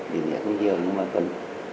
điều này không nhiều nhưng mà còn